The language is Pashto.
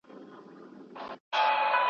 بې گناه مي په ناحقه تور نيولي ,